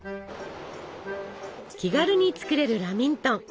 気軽に作れるラミントン。